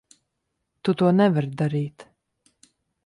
Tu to nevari darīt.